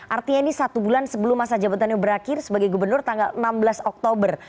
artinya ini satu bulan sebelum masa jabatannya berakhir sebagai gubernur tanggal enam belas oktober